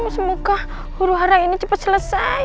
semoga huru hara ini cepat selesai